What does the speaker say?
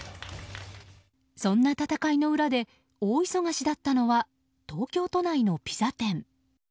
そんな戦いの裏で大忙しだったのは東京都内のピザ店。